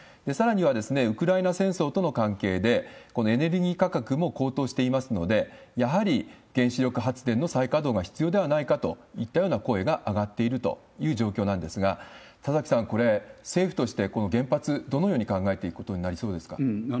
さらにはウクライナ戦争との関係で、このエネルギー価格も高騰していますので、やはり原子力発電の再稼働が必要ではないかといった声が上がっているという状況なんですが、田崎さん、これ、政府としてこの原発、どのように考えていくことになりそうですか。